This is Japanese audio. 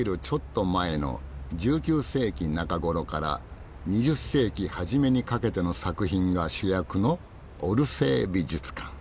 ちょっと前の１９世紀中頃から２０世紀初めにかけての作品が主役のオルセー美術館。